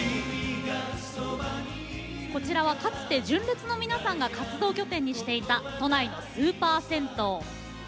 こちらは、かつて純烈の皆さんが活動拠点にしていた都内のスーパー銭湯。